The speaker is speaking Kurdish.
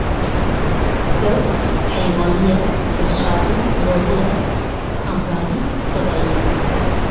Zewq heywanî ye, dilşadî mirovî ye, kamranî xwedayî ye.